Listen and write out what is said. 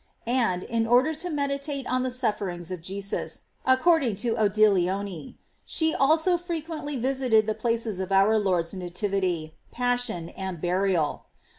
J And, in order to meditate on the sufferings of Jesus, accord ing to Odilone, she also frequently visited the places of our Lord's nativity, passion, andbur ial.